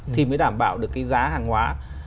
thì mới đảm bảo được cái giá hàng hóa